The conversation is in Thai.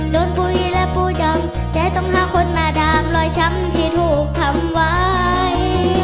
โดนผู้หญิงและผู้ดำจะต้องหาคนหน้าดามรอยช้ำที่ถูกทำไว้